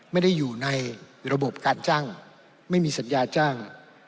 ไม่ได้อยู่ในระบบการจ้างไม่มีสัญญาจ้าง